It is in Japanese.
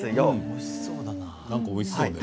おいしそうだな。